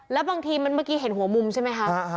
แล้วบางทีเมื่อกี้เห็นหัวมุมใช่ไหมคะ